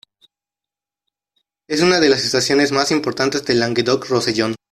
Es una de las estaciones más importantes del Languedoc-Rosellón.